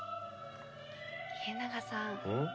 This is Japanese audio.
家長さん